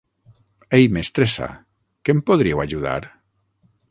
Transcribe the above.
Ei, mestressa! que em podríeu ajudar?